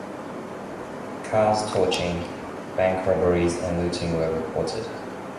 Cars torching, bank robberies and looting were reported.